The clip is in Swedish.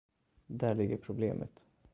Där ligger problemet.